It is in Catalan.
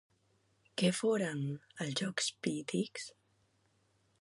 Què foren els Jocs Pítics?